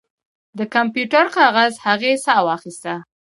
د کمپیوټر کاغذ هغې ساه واخیسته